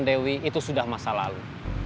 junaedi ubed dan dewi itu sudah masa lalu